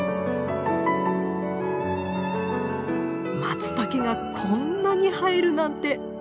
マツタケがこんなに生えるなんて。